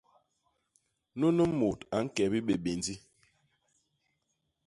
Nunu mut a ñke bibébéndi.